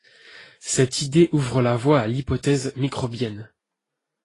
Cette idée ouvre la voie à l'hypothèse microbienne.